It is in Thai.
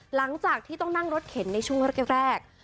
หลังจากที่ต้องนั่งรถเข็นในช่วงแรก